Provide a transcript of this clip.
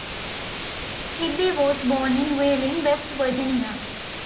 Kibbee was born in Wheeling, West Virginia.